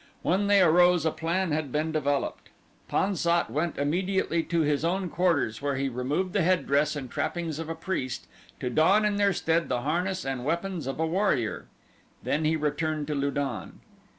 When they arose a plan had been developed. Pan sat went immediately to his own quarters where he removed the headdress and trappings of a priest to don in their stead the harness and weapons of a warrior. Then he returned to Lu don.